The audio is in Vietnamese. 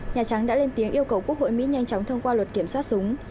nhà trắng đã lên tiếng yêu cầu quốc hội mỹ nhanh chóng thông qua luật kiểm soát súng